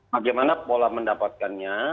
bagaimana pola mendapatkannya